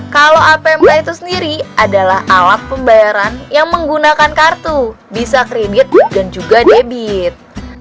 kalau apmk itu sendiri adalah alat pembayaran yang menggunakan kartu bisa kredit dan juga debit